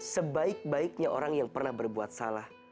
sebaik baiknya orang yang pernah berbuat salah